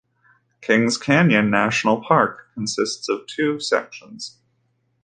Kings Canyon National Park consists of two sections.